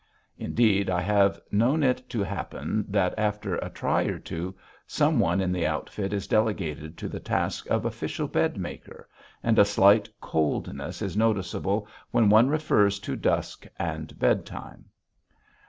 Indeed, I have known it to happen that, after a try or two, some one in the outfit is delegated to the task of official bed maker, and a slight coldness is noticeable when one refers to dusk and bedtime.